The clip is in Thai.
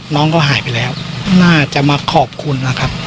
น้องก็หายไปแล้วน่าจะมาขอบคุณนะครับ